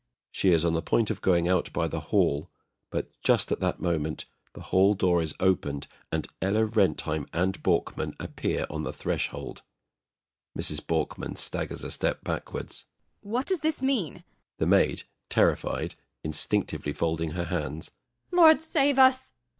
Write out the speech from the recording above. [She is on the point of going out by the hall, but just at that moment the hall door is opened, and ELLA RENTHEIM and BORKMAN appear on the threshold. MRS. BORKMAN. [Staggers a step backwards.] What does this mean? THE MAID. [Terrified, instinctively folding her hands.] Lord save us! MRS. BORKMAN. [Whispers to THE MAID.